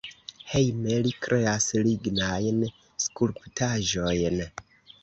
Hejme li kreas lignajn skulptaĵojn.